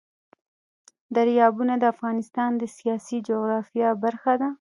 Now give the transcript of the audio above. دریابونه د افغانستان د سیاسي جغرافیه برخه ده.